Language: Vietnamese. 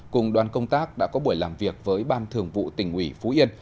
cùng đoàn công tác đã có buổi làm việc với ban thường vụ tỉnh ủy phú yên